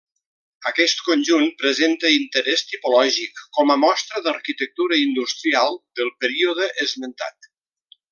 Aquest conjunt presenta interès tipològic com a mostra d'arquitectura industrial del període esmentat.